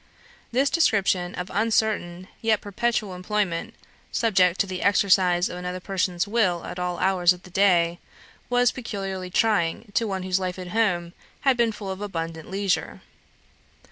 This description of uncertain, yet perpetual employment, subject to the exercise of another person's will at all hours of the day, was peculiarly trying to one whose life at home had been full of abundant leisure.